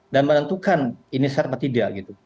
dan menentukan ini serta tidak